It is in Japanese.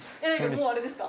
もうあれですか？